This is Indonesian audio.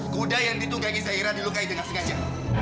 kuda yang ditunggangi saira dilukai dengan sengaja